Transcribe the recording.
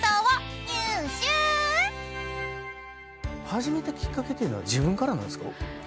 始めたきっかけっていうのは自分からなんですか？